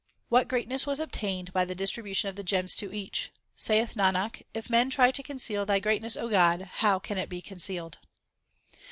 What greatness was obtained by the distribution of the gems to each ? Saith Nanak, if men try to conceal Thy greatness, God } how can it be concealed